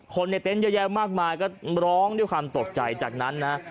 ในเต็นต์เยอะแยะมากมายก็ร้องด้วยความตกใจจากนั้นนะ